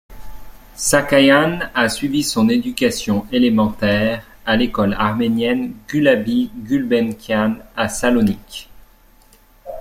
Sakayan a suivi son éducation élémentaire à l'école arméniene Gulabi Gulbenkian à Salonique.